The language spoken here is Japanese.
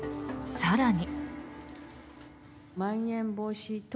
更に。